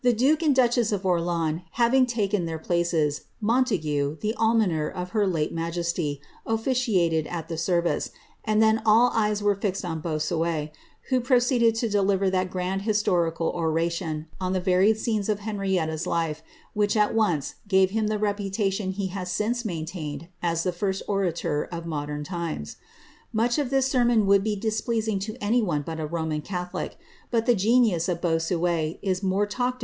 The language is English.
duke and duchess of Orleans having taken their places, Montague, noner of her late majesty, ofliciated at the service, and then all ere fixed on Bossuet, who proceeded to deliver that grand his oration on the varied scenes of Henrietta's life, which at once m the reputation he has since maintained as the first omtor of times. Much of this sermon would be displeasing to any one >man catholic ; but the genius of Bossuet is more talked of in d MS.